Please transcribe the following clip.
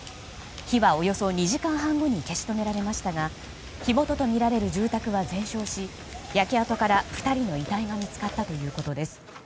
火は、およそ２時間半後に消し止められましたが火元とみられる住宅は全焼し焼け跡から２人の遺体が見つかったということです。